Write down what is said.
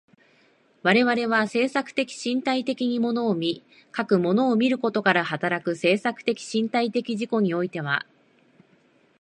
我々は制作的身体的に物を見、かく物を見ることから働く制作的身体的自己においては、